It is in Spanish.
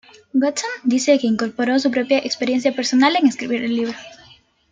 Watson dice que incorporó su propia experiencia personal en escribir el libro.